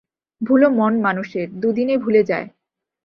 ভুলো মন মানুষের, দুদিনে ভুলে যায়।